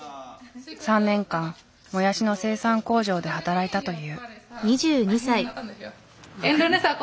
３年間もやしの生産工場で働いたという。